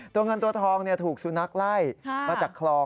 เงินตัวทองถูกสุนัขไล่มาจากคลอง